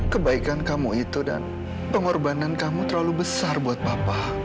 kebaikan kamu itu dan pengorbanan kamu terlalu besar buat bapak